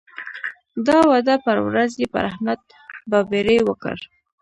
د واده پر ورځ یې پر احمد بابېړۍ وکړ.